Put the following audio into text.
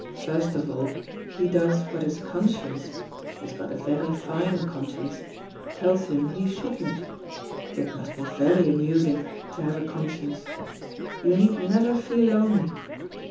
First of all, he does what his conscience he's got a very fine conscience tells him he shouldn't. It must be very amusing to have a conscience. You need never feel lonely.